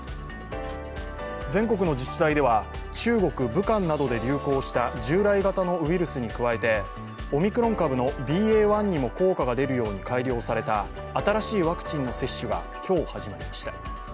全国の自治体では中国・武漢などで流行した従来型のウイルスに加えてオミクロン株のＢＡ．１にも効果が出るように改良された、新しいワクチンの接種が今日、始まりました。